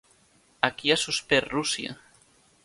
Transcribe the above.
A qui ha suspès Rússia?